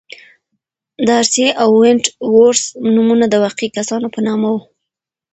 دارسي او ونت وُرث نومونه د واقعي کسانو په نامه وو.